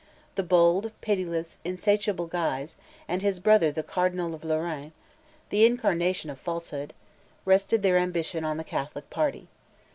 The bold, pitiless, insatiable Guise, and his brother the Cardinal of Lorraine, the incarnation of falsehood, rested their ambition on the Catholic party.